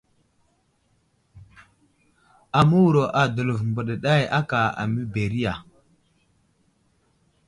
Aməwuro a Dəlov mbeɗeɗay aka aməberiya.